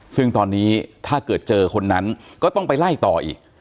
ซึ่งตอนนี้ถ้าเกิดเจอคนนั้นก็ต้องไปไล่ต่ออีก